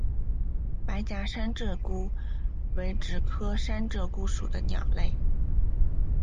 白颊山鹧鸪为雉科山鹧鸪属的鸟类。